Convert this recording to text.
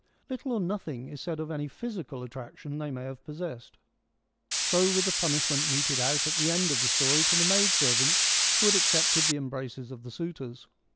Little or nothing is said of any physical attraction they may have possessed. So with the punishment meted out at the end of the story to the maid servants who had accepted the embraces of the suitors.